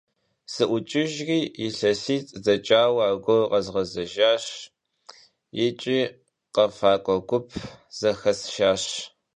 Sı'uç'ıjjri, yilhesit' deç'aue argueru khezğezejjaş yiç'i khefak'ue gup zexesşşaş.